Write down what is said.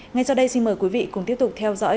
ngay sau đây xin mời quý vị cùng tiếp tục theo dõi